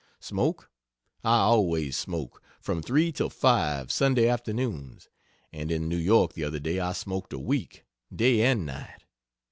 Smoke? I always smoke from 3 till 5 Sunday afternoons and in New York the other day I smoked a week, day and night.